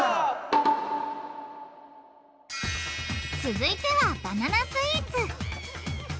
続いてはバナナスイーツ。